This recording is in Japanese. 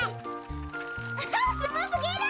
アハすごすぎる！